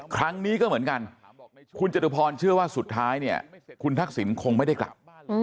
ครั้งนี้ก็เหมือนกันคุณจตุพรเชื่อว่าสุดท้ายเนี่ยคุณทักษิณคงไม่ได้กลับ